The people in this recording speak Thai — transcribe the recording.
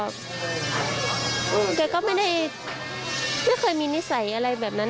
แกก็ไม่ได้ไม่เคยมีนิสัยอะไรแบบนั้น